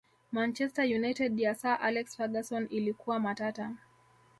manchester united ya sir alex ferguson ilikuwa matata